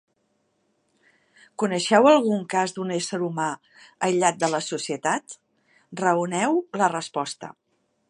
Coneixeu algun cas d'un ésser humà aïllat de la societat? Raoneu la resposta.